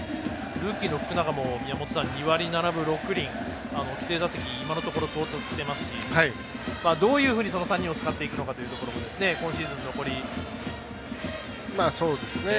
ルーキーの福永も２割７分６厘規定打席、今のところ到達していますしどういうふうにその３人を使っていくのかも今シーズン残り。